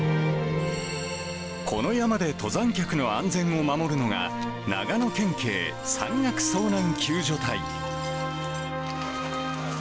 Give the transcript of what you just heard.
この山で登山客の安全を守るのが、長野県警山岳遭難救助隊。